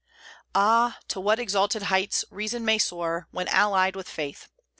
Ah, to what exalted heights reason may soar when allied with faith!